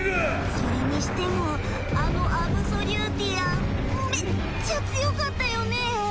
それにしてもあのアブソリューティアンめっちゃ強かったよね！